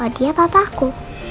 oh dia papaku